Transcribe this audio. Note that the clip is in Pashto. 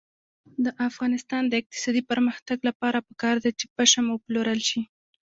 د افغانستان د اقتصادي پرمختګ لپاره پکار ده چې پشم وپلورل شي.